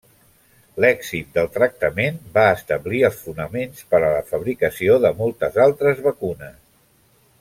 L'èxit del tractament va establir els fonaments per a la fabricació de moltes altres vacunes.